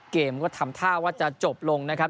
เกมก็ทำท่าว่าจะจบลงนะครับ